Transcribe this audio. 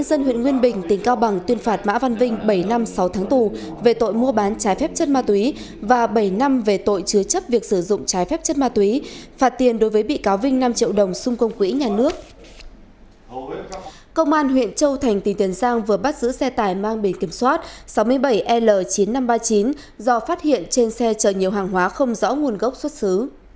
công an huyện châu thành tỉnh tiền giang vừa bắt giữ xe tải mang bền kiểm soát sáu mươi bảy l chín nghìn năm trăm ba mươi chín do phát hiện trên xe chở nhiều hàng hóa không rõ nguồn gốc xuất xứ